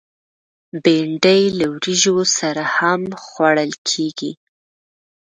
بېنډۍ له وریژو سره هم خوړل کېږي